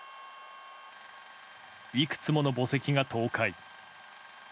いくつもの墓石が倒壊。